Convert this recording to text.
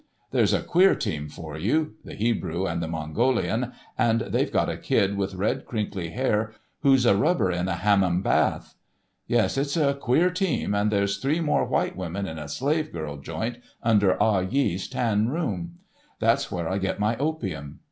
There's a queer team for you—the Hebrew and the Mongolian—and they've got a kid with red, crinkly hair, who's a rubber in a Hammam bath. Yes, it's a queer team, and there's three more white women in a slave girl joint under Ah Yee's tan room. There's where I get my opium.